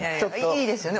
いいですよね